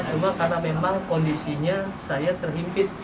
cuma karena memang kondisinya saya terhimpit